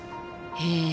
へえ。